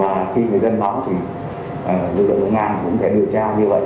và khi người dân báo thì cơ quan công an cũng sẽ điều tra như vậy